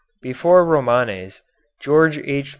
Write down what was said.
Before Romanes, George H.